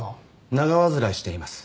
長患いしています